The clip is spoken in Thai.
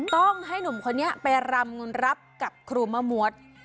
ต้องให้หนุ่มคนนี้ไปรำรับกับครูมะมวด